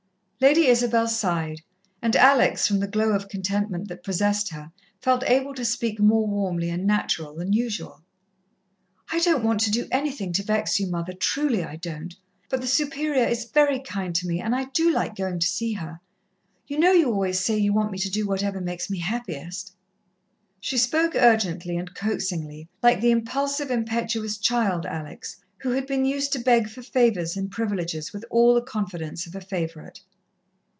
Lady Isabel sighed, and Alex, from the glow of contentment that possessed her, felt able to speak more warmly and natural than usual. "I don't want to do anything to vex you, mother, truly, I don't, but the Superior is very kind to me, and I do like going to see her. You know you always say you want me to do whatever makes me happiest." She spoke urgently and coaxingly, like the impulsive, impetuous child Alex, who had been used to beg for favours and privileges with all the confidence of a favourite.